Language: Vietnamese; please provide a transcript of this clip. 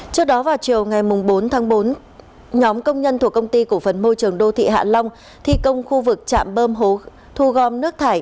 trước đó vào chiều ngày bốn tháng bốn nhóm công nhân thuộc công ty cổ phần môi trường đô thị hạ long thi công khu vực chạm bơm thu gom nước thải